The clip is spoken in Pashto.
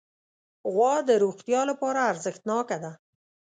غوا د روغتیا لپاره ارزښتناکه ده.